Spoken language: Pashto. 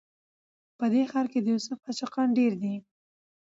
په دې ښار کي د یوسف عاشقان ډیر دي